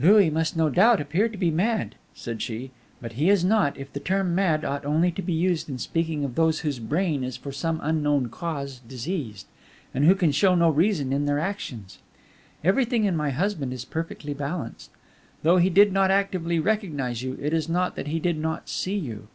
"Louis must, no doubt, appear to be mad," said she. "But he is not, if the term mad ought only to be used in speaking of those whose brain is for some unknown cause diseased, and who can show no reason in their actions. Everything in my husband is perfectly balanced. Though he did not actively recognize you, it is not that he did not see you.